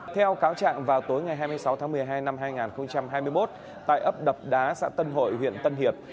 theo cáo trạng vào tối ngày hai mươi sáu tháng một mươi hai năm hai nghìn hai mươi một tại ấp đập đá xã tân hội huyện tân hiệp